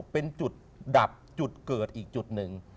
เป็นจุดดับจุดเกิดอีกจุดหนึ่ง